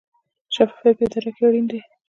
شفافیت په اداره کې اړین دی